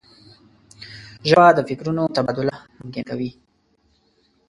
ژبه د فکرونو تبادله ممکن کوي